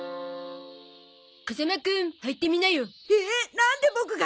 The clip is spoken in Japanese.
なんでボクが？